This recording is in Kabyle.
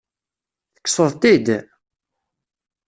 Tekkseḍ-t-id?